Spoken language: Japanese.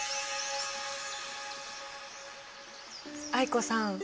藍子さん